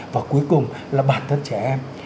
và cuối cùng là bản thân trẻ em